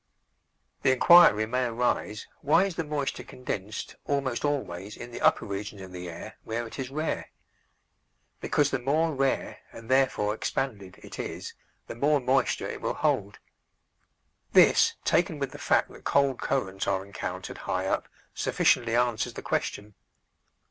The inquiry may arise, Why is the moisture condensed, almost always, in the upper regions of the air, where it is rare? Because the more rare and therefore expanded it is, the more moisture it will hold. This, taken with the fact that cold currents are encountered high up, sufficiently answers the question.